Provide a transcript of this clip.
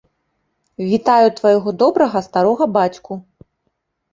Вітаю твайго добрага старога бацьку.